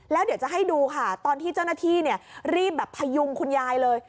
แล้วเดี๋ยวจะให้ดูค่ะตอนที่เจ้าหน้าที่รีบแบบพยุงคุณยายเลย